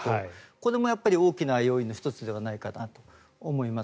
これも大きな要因の１つではないかなと思います。